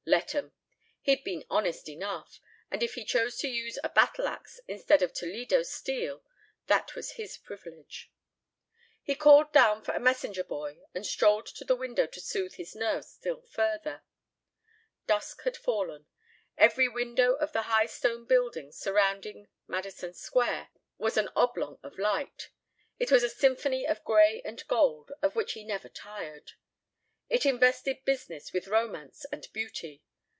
Let 'em. He'd been honest enough, and if he chose to use a battle axe instead of Toledo steel that was his privilege. He called down for a messenger boy and strolled to the window to soothe his nerves still further. Dusk had fallen. Every window of the high stone buildings surrounding Madison Square was an oblong of light. It was a symphony of gray and gold, of which he never tired. It invested business with romance and beauty.